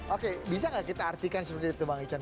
oke bisa gak kita artikan seperti itu bang icah